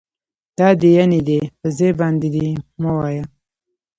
دا دی يعنې دے په ځای باندي دي مه وايئ